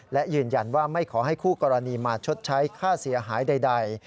และยืนยันว่าไม่ขอให้คู่กรณีมาชดใช้ค่าเสียหายใด